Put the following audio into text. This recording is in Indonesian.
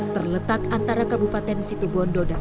terletak antara kabupaten situbondo dan